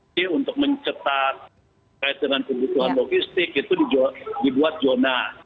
jadi untuk mencetak terkait dengan kebutuhan logistik itu dibuat zona